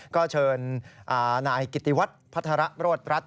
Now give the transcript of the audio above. ก็เชิญนายกิติวัตรพัฒนารวดรัฐ